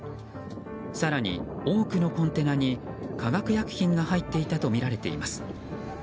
更に、多くのコンテナに化学薬品が入っていたとみられています。